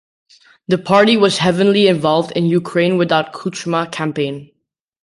The party was heavenly involved in the Ukraine without Kuchma campaign.